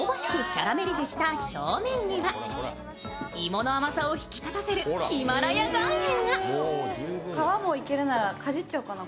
キャラメリゼした表面には芋の甘さを引き立たせるヒマラヤ岩塩が。